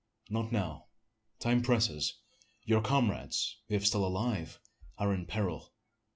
"Not now time presses. Your comrades, if still alive, are in peril.